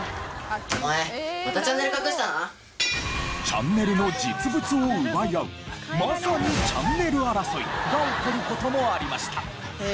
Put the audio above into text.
チャンネルの実物を奪い合うまさにチャンネル争いが起こる事もありました。